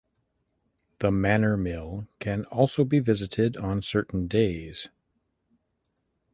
The manor mill can also be visited on certain days.